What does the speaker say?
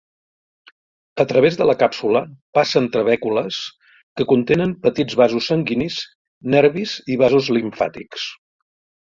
A través de la càpsula passen trabècules que contenen petits vasos sanguinis, nervis i vasos limfàtics.